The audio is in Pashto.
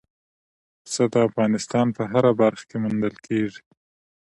پسه د افغانستان په هره برخه کې موندل کېږي.